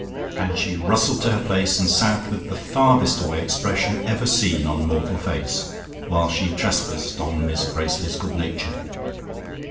And she rustled to her place, and sat with the farthest away expression ever seen on mortal face, while she trespassed on Miss Bracely's good nature.